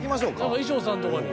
衣装さんとこに。